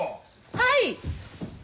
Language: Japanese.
はい！